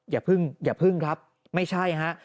อย่าเพิ่งอย่าเพิ่งครับไม่ใช่ฮะ